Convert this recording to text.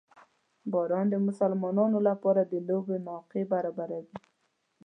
• باران د ماشومانو لپاره د لوبو موقع برابروي.